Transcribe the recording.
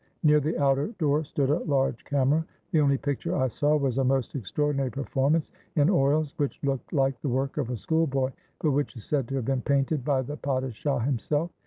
Near the outer door stood a large camera. The only picture I saw was a most extraordinary performance in oils which looked like the work of a schoolboy, but which is said to have been painted by the padishah himself.